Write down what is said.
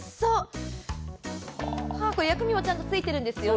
薬味もちゃんとついているんですよね。